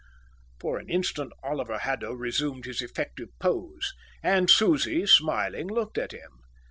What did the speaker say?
For an instant Oliver Haddo resumed his effective pose; and Susie, smiling, looked at him.